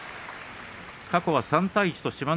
過去は３対１と志摩ノ